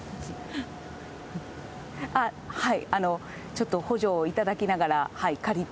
はい、ちょっと補助を頂きながら、借りて。